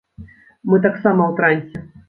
Мы таксама ў трансе!